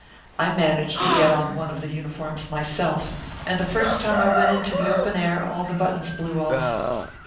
I managed to get on one of the uniforms myself, and the first time I went into the open air all the buttons blew off.